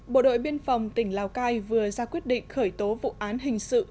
bộ đội biên phòng tỉnh lào cai vừa ra quyết định khởi tố vụ án hình sự